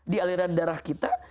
di aliran darah kita